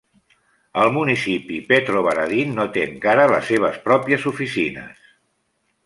El municipi Petrovaradin no té encara les seves pròpies oficines.